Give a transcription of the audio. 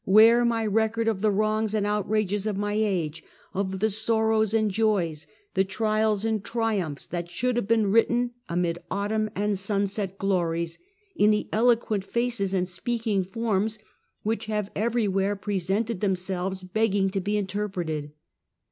Where my record of the wrongs and out rages of my age ; of the sorrows and joys ; the trials and triumphs, that should have been written amid autumn and sunset glories in the eloquent faces and speaking forms which have everywhere presented themselves, begging to be interpreted